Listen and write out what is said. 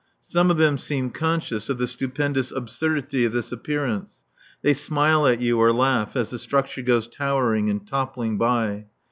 Some of them seem conscious of the stupendous absurdity of this appearance; they smile at you or laugh as the structure goes towering and toppling by.